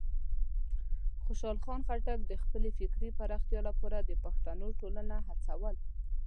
خوشحال خان خټک د خپلې فکري پراختیا لپاره د پښتنو ټولنه هڅول.